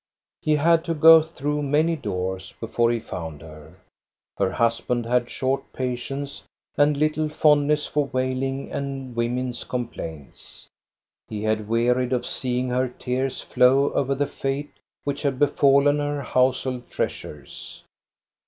He had to go through many doors before he found her. Her husband had short patience and little fondness for wailing and women's complaints. He had wearied of seeing her tears flow over the fate which had befallen her household treasures.